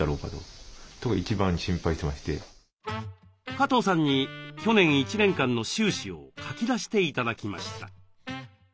加藤さんに去年１年間の収支を書き出して頂きました。